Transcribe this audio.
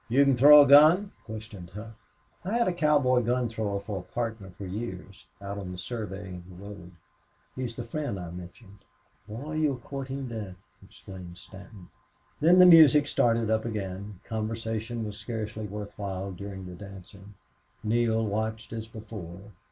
"You can throw a gun?" questioned Hough. "I had a cowboy gun thrower for a partner for years, out on the surveying of the road. He's the friend I mentioned." "Boy, you're courting death!" exclaimed Stanton. Then the music started up again. Conversation was scarcely worth while during the dancing. Neale watched as before.